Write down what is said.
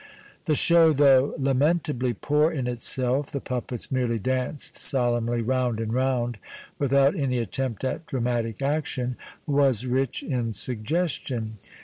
The show, though lamentably poor in itself — the puppets merely danced solemnly round and round without any attempt at dramatic action — was rich in suggestion.